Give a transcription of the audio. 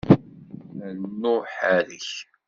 Rnu ḥerrek!